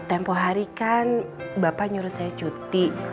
tempoh hari kan bapak nyuruh saya cuti